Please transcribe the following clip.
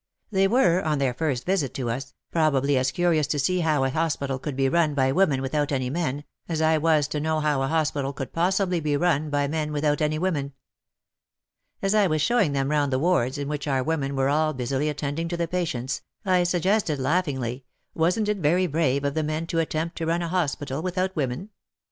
They were, on their first visit to us, probably as curious to see how a hospital could be run by women without any men, as I was to know how a hospital could possibly be run by men without any women. As I was showing them round the wards in which our women were all busily attending to the patients, I suggested laughingly, wasn't It very brave of the men to attempt to run a hospital without women